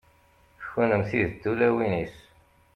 kunemti d tulawin-is